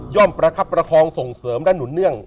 ประคับประคองส่งเสริมและหนุนเนื่อง